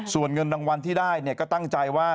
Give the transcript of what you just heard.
ส่วนเงินรางวัลที่ได้ก็ตั้งใจว่า